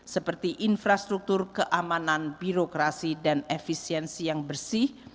seperti infrastruktur keamanan birokrasi dan efisiensi yang bersih